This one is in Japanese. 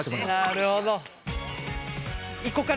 なるほど。